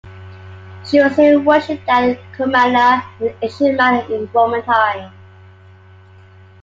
She was still worshipped at Comana in Asia Minor in Roman times.